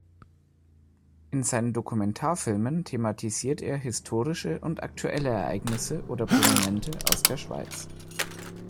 In seinen Dokumentarfilmen thematisiert er historische und aktuelle Ereignisse oder Prominente aus der Schweiz.